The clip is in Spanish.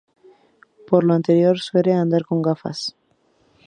Por lo anterior, suele andar con gafas.